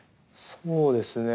そうですね